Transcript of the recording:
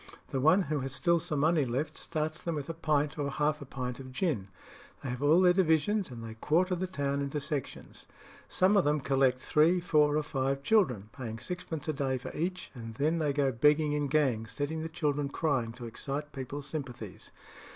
The one who has still some money left starts them with a pint or half a pint of gin. They have all their divisions, and they quarter the town into sections. Some of them collect three, four, or five children, paying sixpence a day for each, and then they go begging in gangs, setting the children crying to excite people's sympathies.